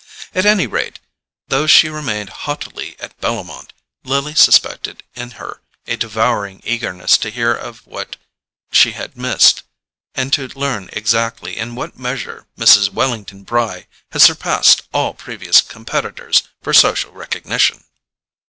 At any rate, though she remained haughtily at Bellomont, Lily suspected in her a devouring eagerness to hear of what she had missed, and to learn exactly in what measure Mrs. Wellington Bry had surpassed all previous competitors for social recognition.